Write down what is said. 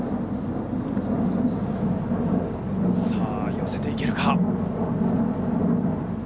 寄せていけるか。